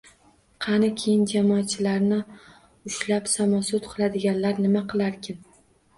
Qani keyin jamoatchilarni ushlab samosud qiladiganlar nima qilarkin?!